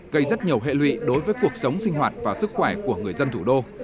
gây rất nhiều hệ lụy đối với cuộc sống sinh hoạt và sức khỏe của người dân thủ đô